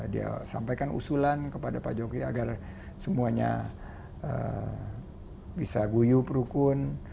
dia sampaikan usulan kepada pak jokowi agar semuanya bisa guyup rukun